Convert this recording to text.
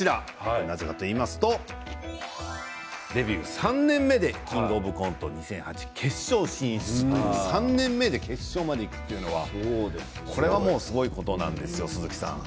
なぜかというとデビュー３年目で「キングオブコント」２００８決勝進出、３年目で決勝までいくというのはこれは、もうすごいことなんですよ鈴木さん。